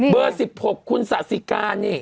เบอร์๑๖คุณศาซิจลิกานี่